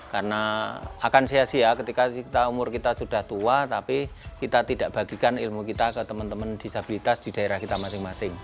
karena akan sia sia ketika kita umur kita sudah tua tapi kita tidak bagikan ilmu kita ke teman teman disabilitas di daerah kita masing masing